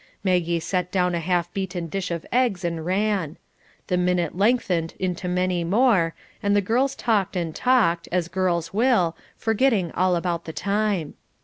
Maggie set down a half beaten dish of eggs and ran. The minute lengthened into many more, and the girls talked and talked, as girls will, forgetting all about time.